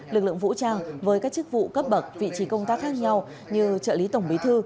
lực lượng vũ trang với các chức vụ cấp bậc vị trí công tác khác nhau như trợ lý tổng bí thư